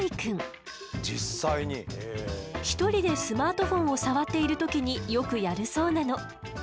１人でスマートフォンを触っている時によくやるそうなの。